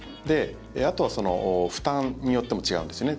あとは、その負担によっても違うんですね。